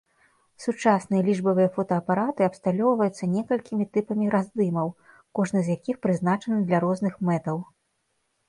Сучасныя лічбавыя фотаапараты абсталёўваюцца некалькімі тыпамі раздымаў, кожны з якіх прызначаны для розных мэтаў.